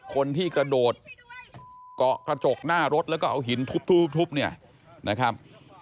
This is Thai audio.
คนที่กระโดดเกาะกระจกหน้ารถแล้วก็เอาหินทุบเนี่ยนะครับ